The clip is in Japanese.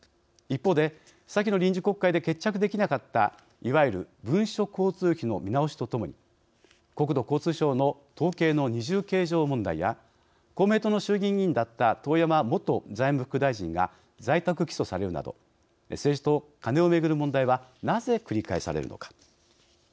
一方で、先の臨時国会で決着できなかったいわゆる文書交通費の見直しとともに国土交通省の統計の二重計上問題や公明党の衆議院議員だった遠山元財務副大臣が在宅起訴されるなど政治とカネをめぐる問題はなぜ繰り返されるのか。